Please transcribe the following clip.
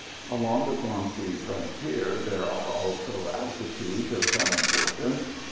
Along the Kwang si frontier there are also altitudes of some importance.